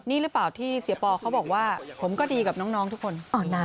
นี่หรือเปล่าที่เสียปอเขาบอกว่าผมก็ดีกับน้องทุกคน